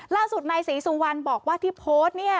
ล่าสุดนายศรีสุวรรณบอกว่าที่โพสต์เนี่ย